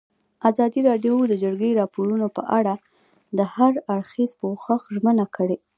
ازادي راډیو د د جګړې راپورونه په اړه د هر اړخیز پوښښ ژمنه کړې.